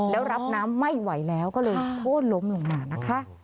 แล้วรับน้ำไม่ไหวแล้วก็เลยโค้นล้มลงมานะคะ